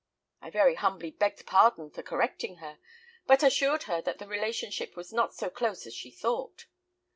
I very humbly begged pardon for correcting her, but assured her that the relationship was not so close as she thought.